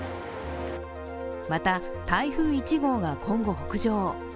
また、台風１号が今後北上。